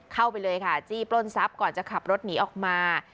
เข้าไปเลยค่ะจี้ปล้นทรัพย์ก่อนจะขับรถหนีออกมา